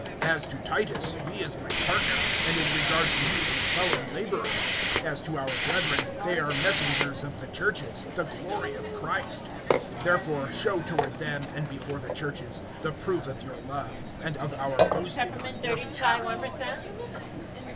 (23)As to Titus, he is my partner, and in regard to you a fellow laborer; as to our brethren, they are messengers of the churches, the glory of Christ. (24)Therefore show toward them, and before the churches, the proof of your love, and of our boasting on your behalf.